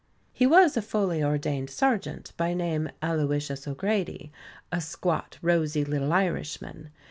He was a fully ordained sergeant by name Aloysius O'Grady; a squat, rosy little Irishman.